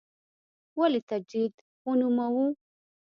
ولې تجدید ونوموو.